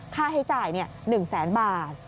ค่าให้จ่ายเนี่ย๑แสนบาท